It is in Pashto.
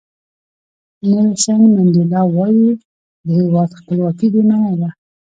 نیلسن منډیلا وایي د هیواد خپلواکي بې معنا ده.